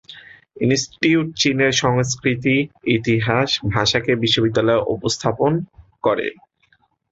ইনস্টিটিউটটি চীনের সংস্কৃতি, ইতিহাস এবং ভাষাকে বিশ্ববিদ্যালয়ে উপস্থাপন করে।